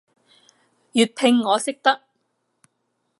粵拼我識得